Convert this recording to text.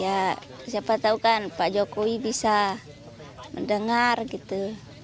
ya siapa tahu kan pak jokowi bisa mendengar gitu